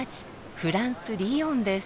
フランス・リヨンです。